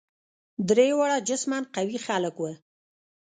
درې واړه جسما قوي خلک وه.